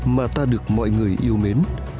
mà ta được mọi người yêu mến